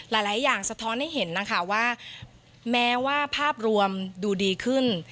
หลายอย่างสะท้อนให้เห็นนะคะว่าแม้ว่าภาพรวมดูดีขึ้น